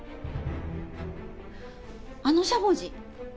あのしゃもじ。